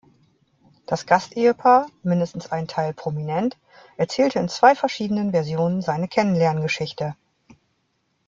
Das Gast-Ehepaar, mindestens ein Teil prominent, erzählte in zwei verschiedenen Versionen seine Kennenlern-Geschichte.